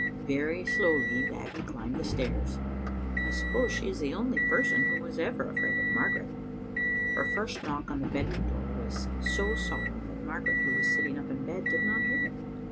Very slowly Babbie climbed the stairs. I suppose she is the only person who was ever afraid of Margaret. Her first knock on the bedroom door was so soft that Margaret, who was sitting up in bed, did not hear it.